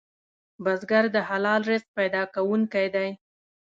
بزګر د حلال رزق پیدا کوونکی دی